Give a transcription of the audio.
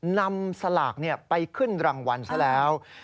นำสลากไปขึ้นรางวัลซะแล้ว